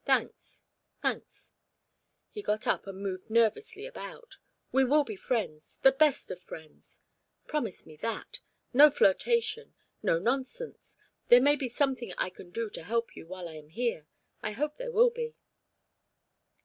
Thanks, thanks." He got up and moved nervously about. "We will be friends, the best of friends, promise me that. No flirtation. No nonsense. There may be something I can do to help you while I am here. I hope there will be."